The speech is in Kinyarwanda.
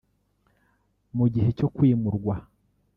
Mu gihe cyo kwimurwa